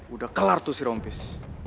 udah kelar tuh si rompis